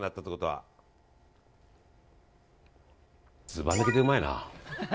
ずば抜けてうまいな。